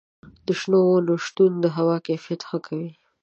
د شنو ونو شتون د هوا کیفیت ښه کوي.